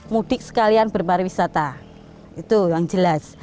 mudik sekalian berpariwisata itu yang jelas